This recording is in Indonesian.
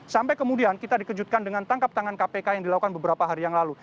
sampai kemudian kita dikejutkan dengan tangkap tangan kpk yang dilakukan beberapa hari yang lalu